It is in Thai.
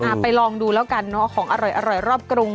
อ่าไปลองดูแล้วกันเนอะของอร่อยรอบกรุง